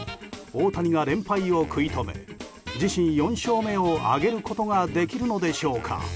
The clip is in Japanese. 大谷が連敗を食い止め自身４勝目を挙げることができるのでしょうか。